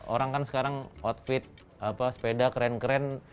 orang kan sekarang outfit sepeda keren keren